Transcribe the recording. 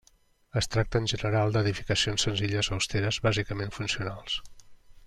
Es tracta, en general, d'edificacions senzilles, austeres, bàsicament funcionals.